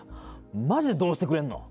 まじでどうしてくれんの！